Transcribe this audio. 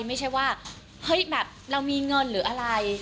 ไม่ใช่ว่าเรามีเงินหรืออะไร